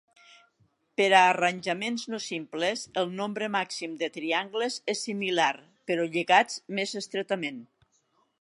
Per a arranjaments no simples, el nombre màxim de triangles és similar, però lligats més estretament.